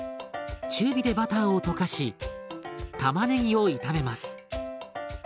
中火でバターを溶かしたまねぎを炒めます。